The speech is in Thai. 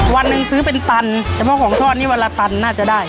วันหนึ่งซื้อเป็นตันเฉพาะของทอดนี่วันละตันน่าจะได้